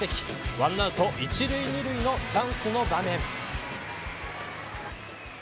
１アウト１塁２塁のチャンスの場面。